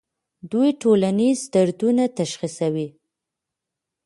دوی ټولنیز دردونه تشخیصوي.